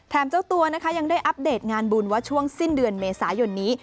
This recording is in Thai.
เจ้าตัวนะคะยังได้อัปเดตงานบุญว่าช่วงสิ้นเดือนเมษายนนี้